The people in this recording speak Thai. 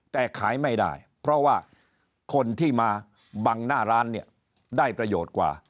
แต่ขายไม่ได้เพราะว่าคนที่มาบังหน้าร้านเนี่ยได้ประโยชน์กว่า